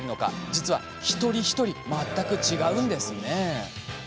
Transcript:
実は一人一人全く違うんですね。